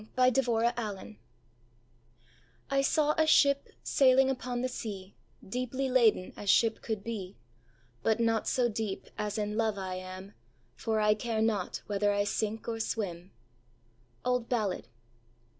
CHAPTER XIII ãI saw a ship sailing upon the sea Deeply laden as ship could be; But not so deep as in love I am For I care not whether I sink or swim.ã OLD BALLAD.